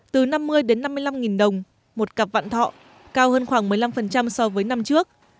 từ năm mươi đến năm mươi năm đồng một cặp bạn thọ cao hơn khoảng một mươi năm so với năm trước